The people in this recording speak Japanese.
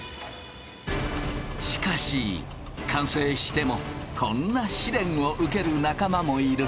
しかし完成してもこんな試練を受ける仲間もいる。